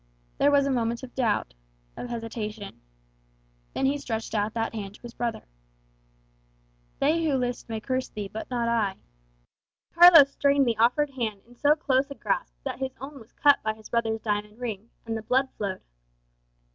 There was a moment of doubt, of hesitation. Then he stretched out that hand to his brother. "They who list may curse thee, but not I," he said. Carlos strained the offered hand in so close a grasp that his own was cut by his brother's diamond ring, and the blood flowed.